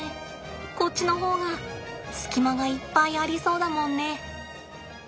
こっちの方が隙間がいっぱいありそうだもんね。